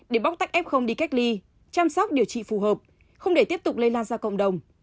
để bóc tách f đi cách ly chăm sóc điều trị phù hợp không để tiếp tục lây lan ra cộng đồng